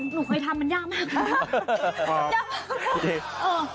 หนูเคยทำมันยากมาก